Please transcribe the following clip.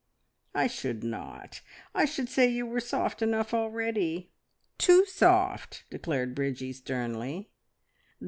"I should not. I should say you were soft enough already. Too soft!" declared Bridgie sternly.